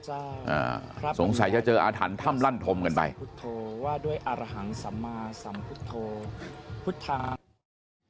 อ่าสงสัยจะเจออาถรรพ์ท่ำลั่นธมกันไป